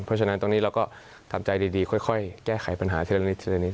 เพราะฉะนั้นตรงนี้เราก็ทำใจดีค่อยแก้ไขปัญหาเท่านี้